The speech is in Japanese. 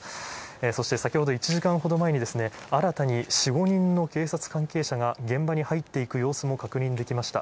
そして先ほど１時間半ほど前に、新たに４、５人の警察関係者が現場に入っていく様子も確認できました。